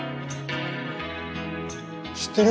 知ってる？